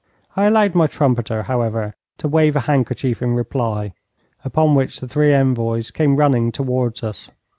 I allowed my trumpeter, however, to wave a handkerchief in reply, upon which the three envoys came running towards us.